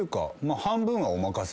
⁉半分はお任せ。